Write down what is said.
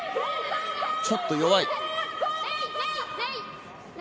ちょっと弱い。